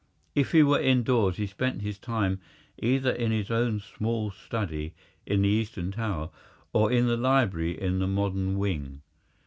If he were indoors he spent his time either in his own small study in the Eastern Tower, or in the library in the modern wing.